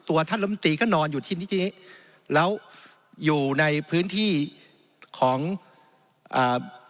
ตัวท่านรมนตรีก็นอนอยู่ที่นี้แล้วอยู่ในพื้นที่ของเอ่อ